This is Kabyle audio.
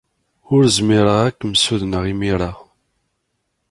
Ur zmireɣ ad kem-ssudneɣ imir-a.